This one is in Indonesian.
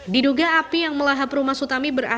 diduga api yang melahap rumah sutami berhasil